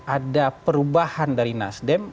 ada perubahan dari nasdem